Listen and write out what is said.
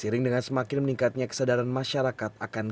jadi saya berpikir oke kita kembali ke dasar